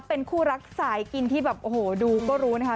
เป็นคู่รักสายกินที่แบบโอ้โหดูก็รู้นะคะ